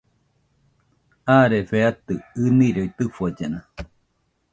Arefe atɨ ɨniroi tɨfollena